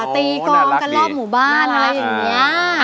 ตีกองกันรอบหมู่บ้านอะไรอย่างนี้